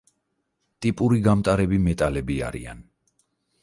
ტიპური გამტარები მეტალები არიან.